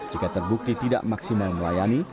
jika terbukti tidak maksimal melayani